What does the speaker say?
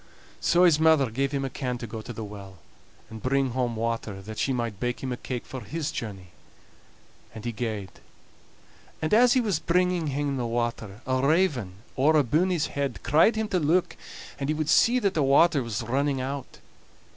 So his mother gave him a can to go to the well and bring home water, that she might bake him a cake for his journey. And he gaed, and as he was bringing hame the water, a raven owre abune his head cried to him to look, and he would see that the water was running out.